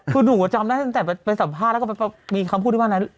พูดหมู่ก็จำได้ตั้งแต่ไปสัมภาษณ์แล้วมีคำพูดให้มากน่ะ